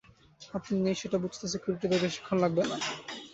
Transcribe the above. আপনি নেই সেটা বুঝতে সিকিউরিটিদের বেশিক্ষণ লাগবে না।